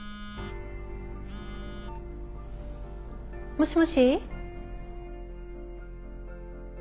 もしもし？